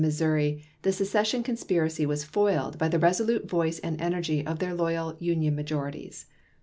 Missouri the secession conspiracy was foiled by the resolute voice and energy of their loyal Union majorities.